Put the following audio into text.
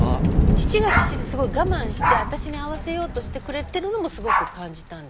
父は父ですごい我慢して私に合わせようとしてくれてるのもすごく感じたんです。